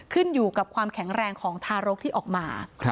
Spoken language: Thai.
ขึ้นอยู่กับความแข็งแรงของทารกที่ออกมา